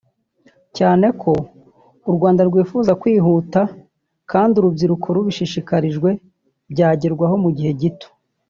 cyane ko u Rwanda rwifuza kwihuta kandi urubyiruko rubishishikarijwe byagerwaho mu gihe gito